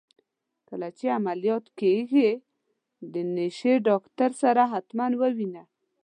کله چي عمليات کيږې د نشې ډاکتر سره حتما ووينه.